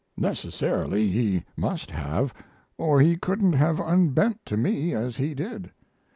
Necessarily he must have or he couldn't have unbent to me as he did.